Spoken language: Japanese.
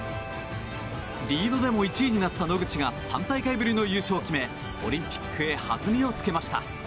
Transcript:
リードでも１位になった野口が３大会ぶりの優勝を決めオリンピックへ弾みをつけました。